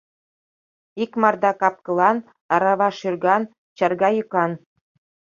Икмарда кап-кылан, арава шӱрган, чарга йӱкан.